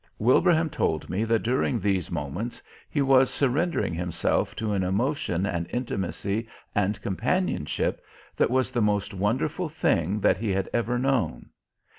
Wilbraham told me that during these moments he was surrendering himself to an emotion and intimacy and companionship that was the most wonderful thing that he had ever known.